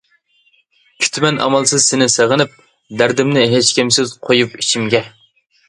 كۈتىمەن ئامالسىز سېنى سېغىنىپ، دەردىمنى ھېچكىمسىز قۇيۇپ ئىچىمگە.